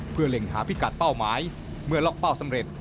เพื่อเล็งหาพิกัดเป้าหมายเมื่อล็อกเป้าสำเร็จ